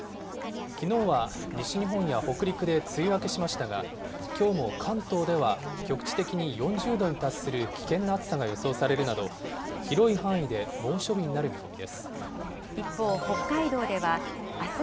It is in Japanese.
きのうは西日本や北陸で梅雨明けしましたが、きょうも関東では、局地的に４０度に達する危険な暑さが予想されるなど、広い範囲で猛暑日になる見込みです。